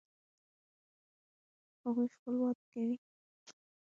هغوی خپل واده کوي